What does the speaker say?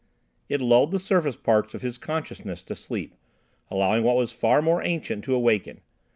It lulled the surface parts of his consciousness to sleep, allowing what was far more ancient to awaken.